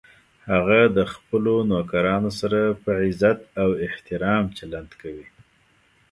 هغه د خپلو نوکرانو سره په عزت او احترام چلند کوي